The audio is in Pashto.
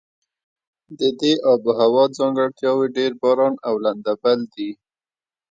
د دې آب هوا ځانګړتیاوې ډېر باران او لنده بل دي.